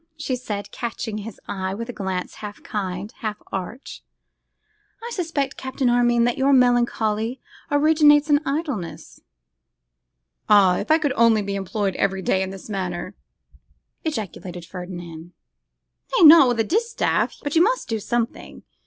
she said, catching his eye with a glance half kind, half arch. 'I suspect, Captain Armine, that your melancholy originates in idleness.' 'Ah! if I could only be employed every day in this manner!' ejaculated Ferdinand. 'Nay! not with a distaff; but you must do something.